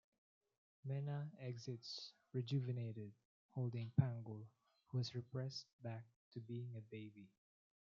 Mena exits rejuvenated, holding Pangol, who has regressed back to being a baby.